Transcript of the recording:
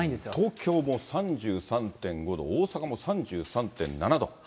東京も３３．５度、大阪も３３．７度。